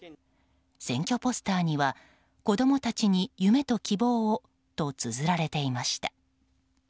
選挙ポスターにはこどもたちに夢と希望をとつづられていました。